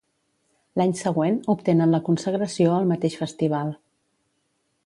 L'any següent, obtenen la Consagració al mateix festival.